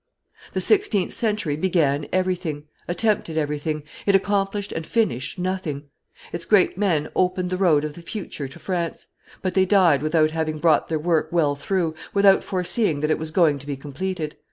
The sixteenth century began everything, attempted everything; it accomplished and finished nothing; its great men opened the road of the future to France; but they died without having brought their work well through, without foreseeing that it was going to be completed.